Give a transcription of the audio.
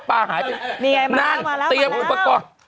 ปลาหายไปนั่นเตรียมอุปกรณ์